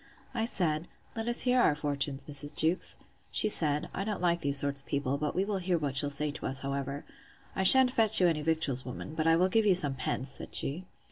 I said, Let us hear our fortunes, Mrs. Jewkes. She said, I don't like these sort of people; but we will hear what she'll say to us, however. I shan't fetch you any victuals, woman; but I will give you some pence, said she.